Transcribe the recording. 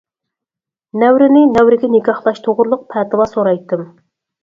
نەۋرىنى نەۋرىگە نىكاھلاش توغرىلىق پەتىۋا سورايتتىم.